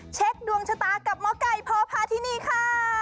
เช็คดวงชะตากับหมอไก่พอพาที่นี่ค่ะ